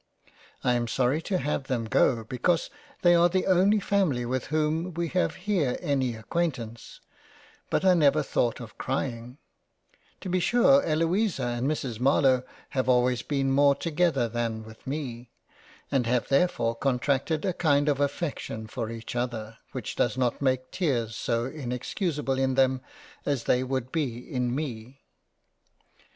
I am sorry to have them go because they are the only family with whom we have here any acquaintance, but I never thought of crying ; to be sure Eloisa and Mrs Marlowe have always been more together than with me, and have therefore contracted a kind of affection for each other, which does not make Tears so inexcusable in them as they would be in me.